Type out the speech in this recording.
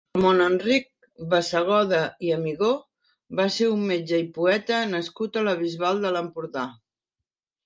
Ramon-Enric Bassegoda i Amigó va ser un metge i poeta nascut a la Bisbal d'Empordà.